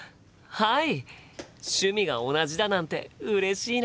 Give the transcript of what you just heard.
趣味が同じだなんてうれしいな。